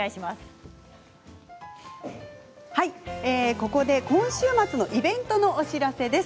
ここで今週末のイベントのお知らせです。